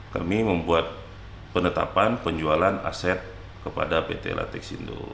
kami membuat penetapan penjualan aset kepada pt latexindo